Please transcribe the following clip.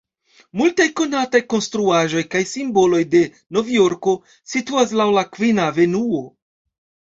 Multaj konataj konstruaĵoj kaj simboloj de Novjorko situas laŭ la Kvina Avenuo.